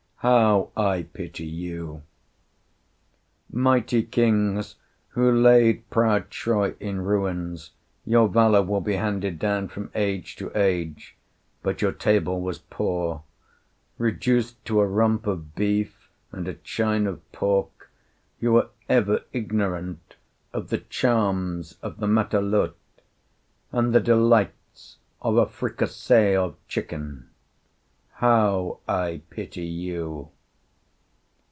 How I pity you! Mighty kings, who laid proud Troy in ruins, your valor will be handed down from age to age; but your table was poor. Reduced to a rump of beef and a chine of pork, you were ever ignorant of the charms of the matelote and the delights of a fricassée of chicken. How I pity you!